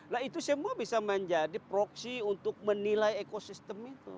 nah itu semua bisa menjadi proksi untuk menilai ekosistem itu